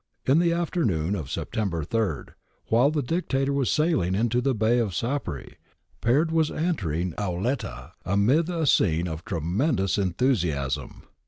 In the afternoon of September 3, while the Dictator was sailing into the bay of Sapri, Peard was entering Auletta amid a scene of ' tremendous enthusi asm.